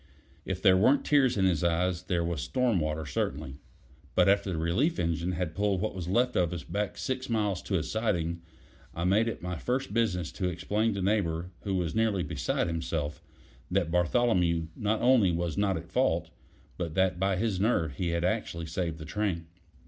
If there weren't tears in his eyes, there was storm water certainly. But after the relief engine had pulled what was left of us back six miles to a siding, I made it my first business to explain to Neighbor, who was nearly beside himself, that Bartholomew not only was not at fault, but that by his nerve he had actually saved the train.